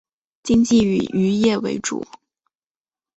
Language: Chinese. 经济以渔业为主。